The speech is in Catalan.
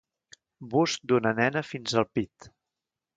Bust d'una nena fins al pit.